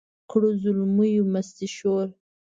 کړو زلمیو مستي شور